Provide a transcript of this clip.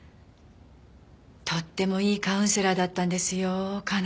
とってもいいカウンセラーだったんですよ彼女。